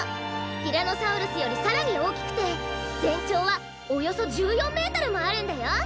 ティラノサウルスよりさらにおおきくてぜんちょうはおよそ１４メートルもあるんだよ！